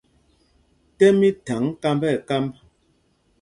Tɛ́m í thaŋ kámb nɛ kámb.